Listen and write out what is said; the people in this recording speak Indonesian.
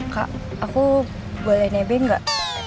kak aku boleh nebek nggak